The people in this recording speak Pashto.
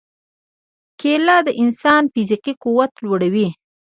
کېله د انسان فزیکي قوت لوړوي.